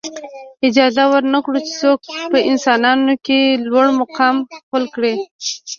اجازه ورنه کړو چې څوک په انسانانو کې لوړ مقام خپل کړي.